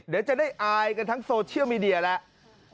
เดี๋ยวจะได้อายกันทั้งโซเชียลมีเดียแล้ว